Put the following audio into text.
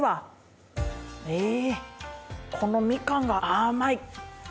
このみかんが甘い。